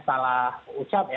salah ucap ya